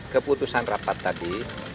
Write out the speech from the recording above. keputusan rapat tadi